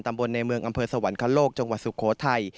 ตำบลในเมืองอำเภอสวรรคโลกจังหวัดสุโขทัย